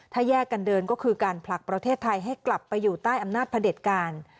ถ้าแยกกันเดินก็คือการผลักประเทศไทยให้กลับไปอยู่ใต้อำนาจพระเด็จการ